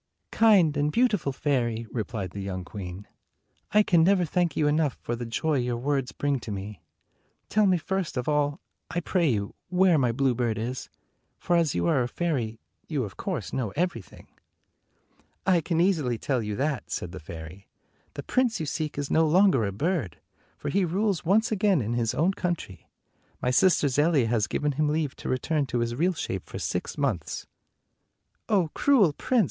"Kind and beautiful fairy," replied the young queen, "I can never thank you enough for the joy your words bring to me. Tell me first of all, I pray you, where my bluebird is; for as you are a fairy, you of course know everything." " I can easily tell you that," said the fairy. "The prince you seek is no longer a bird, for he rules once again in his own country. My sister Zelia has given him leave to return to his real shape for six months." "Oh, cruel prince!"